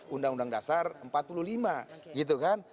undang undang dasar seribu sembilan ratus empat puluh lima gitu kan